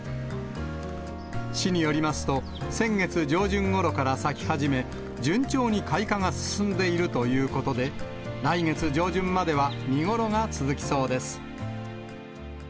市によりますと、先月上旬ごろから咲き始め、順調に開花が進んでいるということで、来月上旬までは見頃が続きそうです。